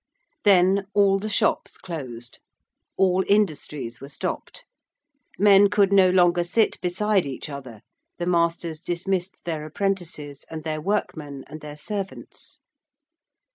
Then all the shops closed: all industries were stopped: men could no longer sit beside each other: the masters dismissed their apprentices and their workmen and their servants.